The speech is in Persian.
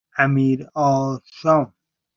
امیرآرشام